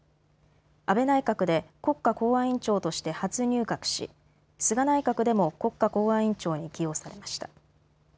安倍内閣で国家公安委員長として初入閣し菅内閣でも国家公安委員長に起用されました。